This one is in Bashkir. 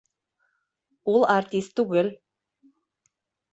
Ул артист түгел.